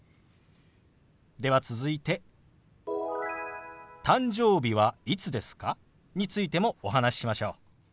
では続いて「誕生日はいつですか？」についてもお話ししましょう。